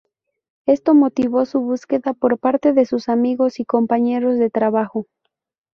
Esto motivó su búsqueda por parte de sus amigos y compañeros de trabajo.